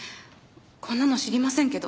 こんなの知りませんけど。